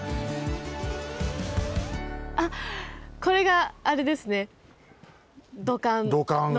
あっこれがあれですね土管の。